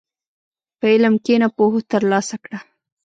په علم کښېنه، پوهه ترلاسه کړه.